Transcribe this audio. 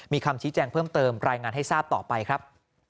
มีคำชี้แจงเพิ่มเติมรายงานให้ทราบต่อไปครับ